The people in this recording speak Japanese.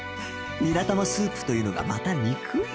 ニラ玉スープというのがまた憎い！